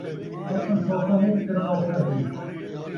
آکھݨ سوکھا ہے کرݨ اوکھا ہے